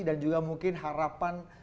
dan juga mungkin harapan